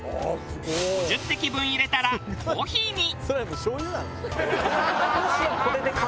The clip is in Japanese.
５０滴分入れたらコーヒーに。